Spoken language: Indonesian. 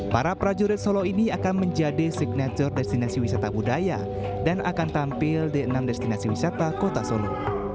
para prajurit solo ini akan menjadi signature destinasi wisata budaya dan akan tampil di enam destinasi wisata kota solo